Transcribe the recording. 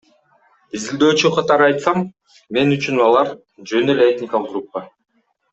Изилдөөчү катары айтсам, мен үчүн алар — жөн эле этникалык группа.